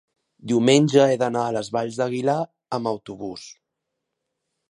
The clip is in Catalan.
diumenge he d'anar a les Valls d'Aguilar amb autobús.